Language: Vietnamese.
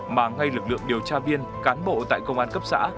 mà ngay lực lượng điều tra viên cán bộ tại công an cấp xã